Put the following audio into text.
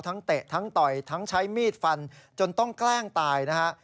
เตะทั้งต่อยทั้งใช้มีดฟันจนต้องแกล้งตายนะฮะ